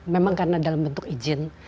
memang karena dalam bentuk izin